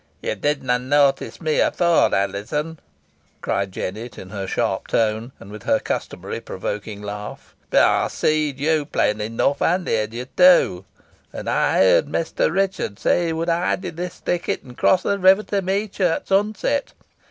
"Yo didna notice me efore, Alizon," cried Jennet in her sharp tone, and with her customary provoking laugh, "boh ey seed yo plain enuff, an heer'd yo too; and ey heer'd Mester Ruchot say he wad hide i' this thicket, an cross the river to meet ye at sunset.